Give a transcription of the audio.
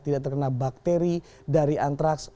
tidak terkena bakteri dari antraks